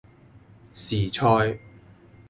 時菜